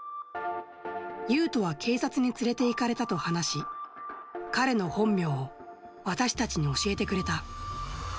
ユウトは警察に連れていかれたと話し、彼の本名を私たちに教えてくれた。